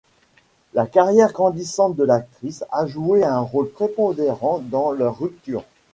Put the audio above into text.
La carrière grandissante de l'actrice a joué un rôle prépondérant dans leur rupture.